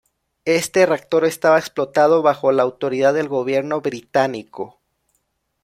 Este reactor estaba explotado bajo la autoridad del Gobierno Británico.